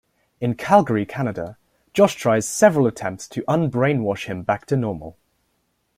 In Calgary, Canada, Josh tries several attempts to unbrainwash him back to normal.